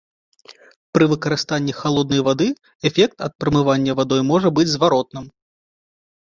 Пры выкарыстанні халоднай вады эфект ад прамывання вадой можа быць зваротным.